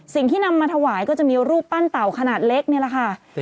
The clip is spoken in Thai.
สิ่งที่นำมาถวายก็จะมีรูปปั้นเต่าขนาดเล็กนี่แหละค่ะ